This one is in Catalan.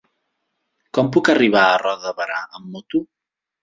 Com puc arribar a Roda de Berà amb moto?